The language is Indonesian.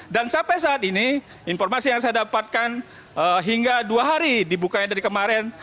dan sampai saat ini informasi yang saya dapatkan hingga dua hari dibukanya dari kemarin